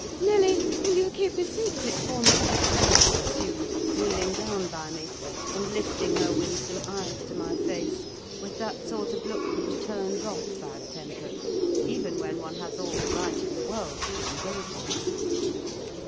"Nelly, will you keep a secret for me?" she pursued, kneeling down by me, and lifting her winsome eyes to my face with that sort of look which turns off bad temper, even when one has all the right in the world to indulge it.